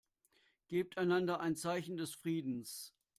Gebt einander ein Zeichen des Friedens.